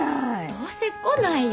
どうせ来ないよ！